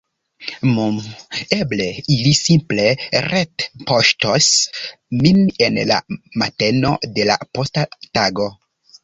"Mmm, eble ili simple retpoŝtos min en la mateno de la posta tago.